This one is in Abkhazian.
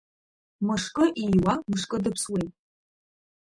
Мышкы ииуа мышкы дыԥсуеит.